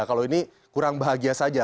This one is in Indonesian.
kalau ini kurang bahagia saja